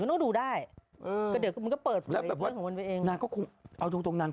อะไรอย่างนั้น